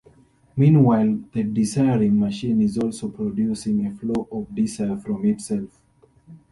Meanwhile, the desiring-machine is also producing a flow of desire from itself.